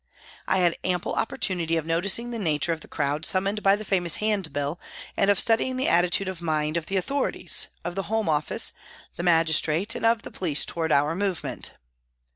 I had ample opportunity of noticing the nature of the crowd summoned by the famous handbill and of studying the attitude of mind of the authorities, of the Home Office, the magistrate, and of the police towards our movement.